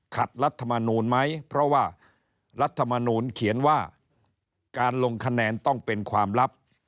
รัฐมนูลไหมเพราะว่ารัฐมนูลเขียนว่าการลงคะแนนต้องเป็นความลับ